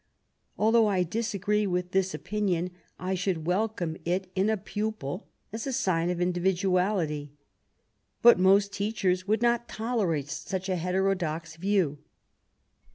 Although I disagree with this opinion, I should welcome it in a pupil as a sign of individuality; but most teachers would not tolerate such a heterodox view.